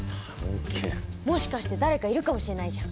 もしかして誰かいるかもしれないじゃん。